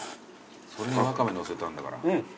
それにワカメ載せたんだから。